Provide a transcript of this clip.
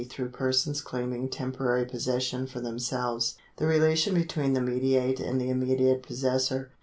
Through persons claiming temporary possession for themselves. The relation between the mediate and the immediate possessor.